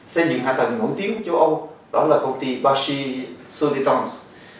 một công ty hạ tầng nổi tiếng của châu âu đó là công ty pachy soledadons